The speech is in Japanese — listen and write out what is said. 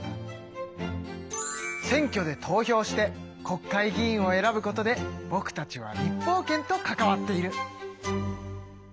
選挙で投票して国会議員を選ぶことでぼくたちは立法権と関わっている。